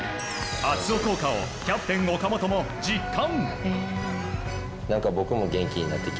熱男効果をキャプテン岡本も実感。